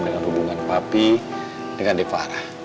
dengan hubungan papi dengan de farah